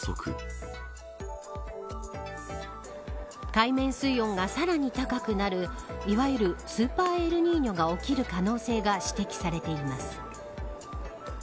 海面水温がさらに高くなるいわゆるスーパーエルニーニョが起きる可能性が指摘されています。